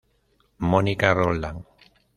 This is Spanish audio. Mónica Roldán.